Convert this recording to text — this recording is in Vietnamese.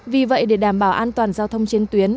vì vậy để đảm bảo an toàn giao thông trên tuyến